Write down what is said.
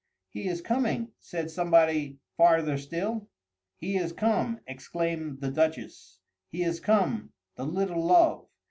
"He is coming!" said somebody farther still. "He is come!" exclaimed the Duchess. "He is come, the little love!"